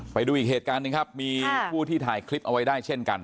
ไปดูอีกเหตุการณ์หนึ่งครับมีผู้ที่ถ่ายคลิปเอาไว้ได้เช่นกัน